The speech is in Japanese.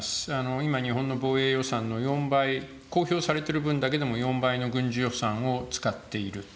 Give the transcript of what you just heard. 今、日本の防衛予算の４倍、公表されてる分だけでも４倍の軍事予算を使っている。